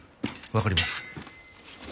わかりますね？